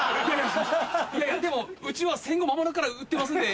でもうちは戦後間もなくから売ってますんで。